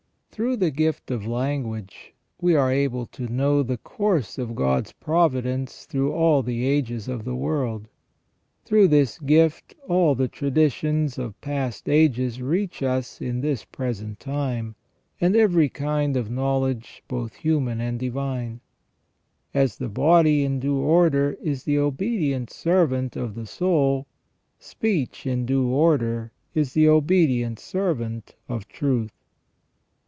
Through the gift of language we are able to know the course of God's providence through all the ages of the world. Through this gift all the traditions of past ages reach us in this present time, and every kind of knowledge both human and divine. As the body in due order is the obedient servant of the soul, speech in due order is the obedient servant of truth.